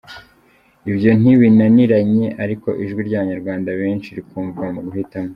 Ibyo ntibinaniranye, ariko ijwi ry’abanyarwanda benshi rikumvwa mu guhitamo.